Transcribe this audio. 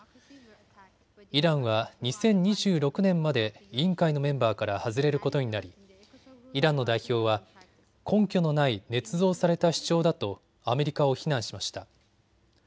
イランは２０２６年まで委員会のメンバーから外れることになりイランの代表は根拠のないねつ造された主張だとアメリカを非難しました。